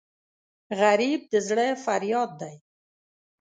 غریب د زړه فریاد دی